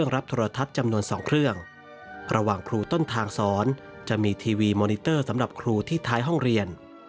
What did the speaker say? ระหว่างครูต้นทางสอนจะมีทีวีมอนิเตอร์สำหรับครูที่ท้ายห้องเรียน